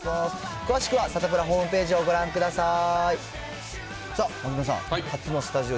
詳しくはサタプラホームページをご覧くださーい。